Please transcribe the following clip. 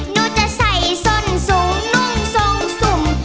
หนูจะใส่ส้นสูงนุ่งทรงสุ่ม